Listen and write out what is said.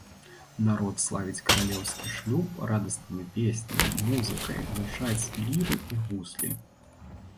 Народ славіць каралеўскі шлюб радаснымі песнямі, музыкай, гучаць ліры і гуслі.